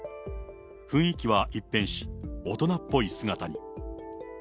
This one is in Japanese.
雰囲気は一変し、大人っぽい姿に。